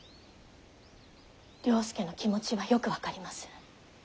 了助の気持ちはよく分かります。